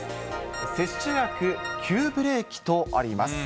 接種予約、急ブレーキとあります。